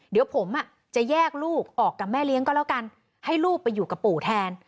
เดี๋ยวผมจะแยกลูกออกกับแม่เลี้ยงก็แล้วกันให้ลูกไปอยู่กับปู่แทน